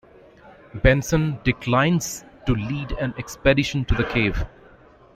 Benson declines to lead an expedition to the cave.